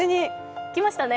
来ましたね。